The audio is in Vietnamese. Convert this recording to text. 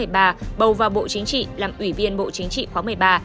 bầu vào bộ chính trị làm ủy viên bộ chính trị khóa một mươi ba